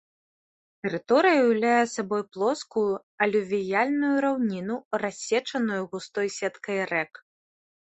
Тэрыторыя ўяўляе сабой плоскую алювіяльную раўніну, рассечаную густой сеткай рэк.